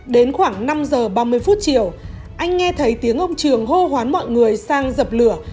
đến khoảng năm giờ ba mươi phút chiều anh nghe thấy tiếng ông trường hô hoán mọi người sang dập lửa